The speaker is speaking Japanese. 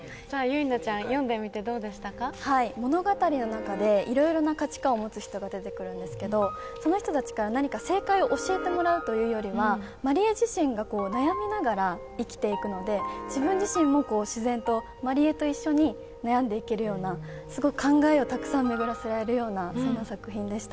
物語の中でいろいろな価値観を持つ人が出てくるんですけど、その人たちから何か正解を教えてもらうというよりはまりえ自身が悩みながら生きていくので自分自身も自然とまりえと一緒に悩んでいけるような、すごい考えをたくさん巡らせらるような、そんな作品でした。